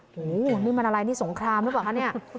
โอ้โหนี่มันอะไรนี่สงครามหรือเปล่าคะเนี่ย